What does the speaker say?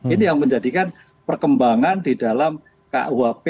ini yang menjadikan perkembangan di dalam kuhp